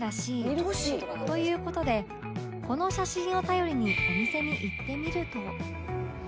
という事でこの写真を頼りにお店に行ってみると